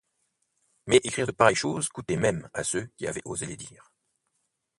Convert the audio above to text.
Mais écrire de pareilles choses coûtait même à ceux qui avaient osé les dire.